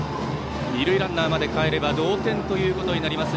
二塁ランナーまでかえれば同点となります。